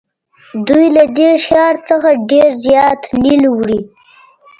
دوی له دې ښار څخه ډېر زیات نیل وړي.